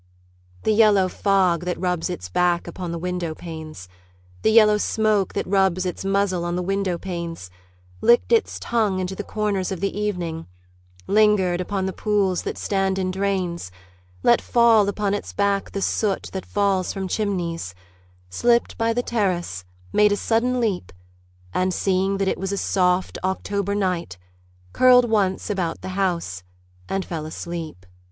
The yellow fog that rubs its back upon the window panes, The yellow smoke that rubs its muzzle on the window panes Licked its tongue into the corners of the evening, Lingered upon the pools that stand in drains, Let fall upon its back the soot that falls from chimneys, Slipped by the terrace, made a sudden leap, And seeing that it was a soft October night, Curled once about the house, and fell asleep.